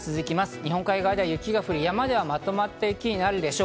日本海側では雪が降り、山ではまとまった雪になるでしょう。